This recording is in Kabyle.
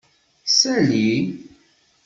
Sali.